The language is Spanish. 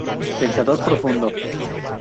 Pensador profundo.